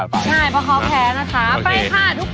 ใช่เพราะเขาแพ้นะคะไปค่ะ